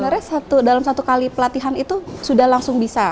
sebenarnya dalam satu kali pelatihan itu sudah langsung bisa